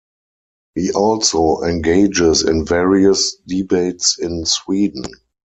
He also engages in various debates in Sweden.